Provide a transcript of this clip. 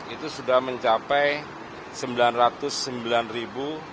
itu sudah mencapai sembilan ratus sembilan ribu